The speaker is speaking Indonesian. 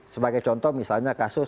sebagai contoh misalnya kasus